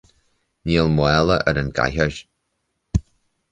Níl mála ar an gcathaoir